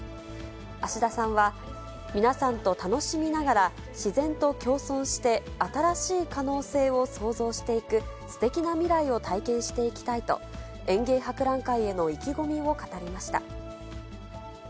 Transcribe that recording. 芦田さんは、皆さんと楽しみながら、自然と共存して新しい可能性を想像していく、すてきな未来を体験していきたいと、園芸博覧会への意気込みを語りました。